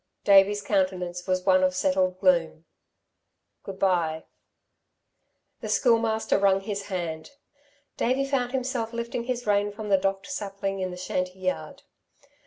Davey's countenance was one of settled gloom. "Good bye." The Schoolmaster wrung his hand. Davey found himself lifting his rein from the docked sapling in the shanty yard.